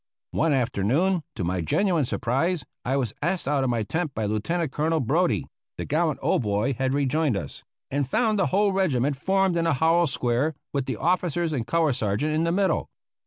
One afternoon, to my genuine surprise, I was asked out of my tent by Lieutenant Colonel Brodie (the gallant old boy had rejoined us), and found the whole regiment formed in hollow square, with the officers and color sergeant in the middle.